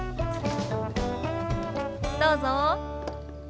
どうぞ。